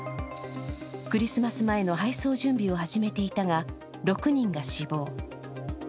クリスマス前の配送準備を始めていたが、６人が死亡。